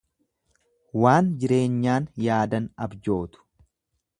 Waan jireenyaan yaadan abjootu.